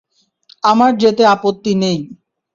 আমার যেতে আপত্তি নেই।